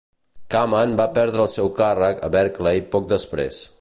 Kamen va perdre el seu càrrec a Berkeley poc després.